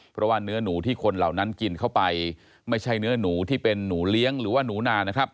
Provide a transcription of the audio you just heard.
เพราะว่าเนื้อหนูที่คนเหล่านั้นกินเข้าไปไม่ใช่เนื้อหนูที่เป็นหนูเลี้ยงหรือว่าหนูนานะครับ